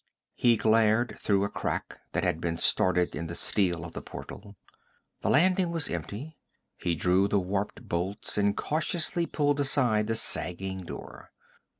He glared through a crack that had been started in the steel of the portal. The landing was empty. He drew the warped bolts and cautiously pulled aside the sagging door.